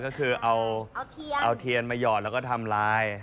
ก็คือเอาเทียนมาหยอดแล้วก็ทำลาย